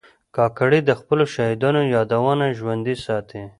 کاکړي د خپلو شهیدانو یادونه ژوندي ساتي.